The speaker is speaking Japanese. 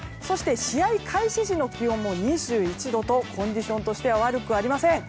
試合開始時の気温も２１度とコンディションとしては悪くありません。